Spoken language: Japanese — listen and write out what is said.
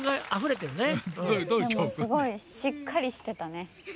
すごいしっかりしてたね。